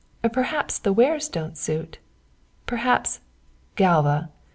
Perhaps the wares don't suit. Perhaps " "Galva!"